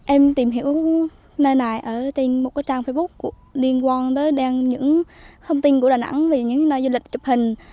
em tìm hiểu nơi này ở trên một trang facebook liên quan tới những thông tin của đà nẵng về những nơi du lịch chụp hình